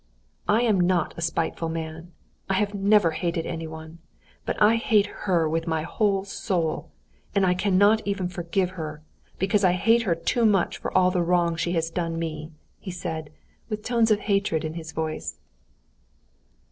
I am not a spiteful man, I have never hated anyone, but I hate her with my whole soul, and I cannot even forgive her, because I hate her too much for all the wrong she has done me!" he said, with tones of hatred in his voice.